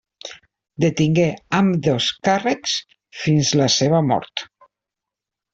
Detingué ambdós càrrecs fins a la seva mort.